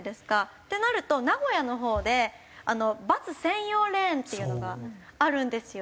ってなると名古屋のほうでバス専用レーンっていうのがあるんですよ。